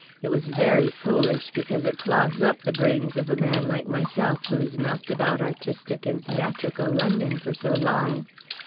It was very foolish, because it clogs up the brains of a man like myself who has knocked about artistic and theatrical London for so long.